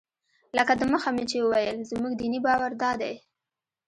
لکه دمخه مې چې وویل زموږ دیني باور دادی.